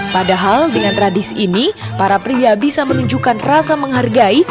padahal dengan tradisi ini para pria bisa menunjukkan rasa menghargai